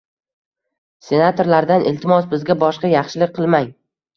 Senatorlardan iltimos, bizga boshqa yaxshilik qilmang.